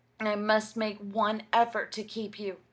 I must make one effort to keep you....